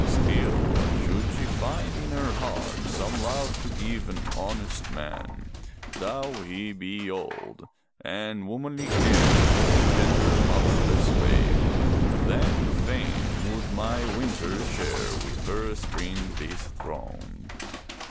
Still, should she find in her heart some love to give an honest man, though he be old, and womanly care for tender motherless babes, then fain would my winter share with her spring this throne."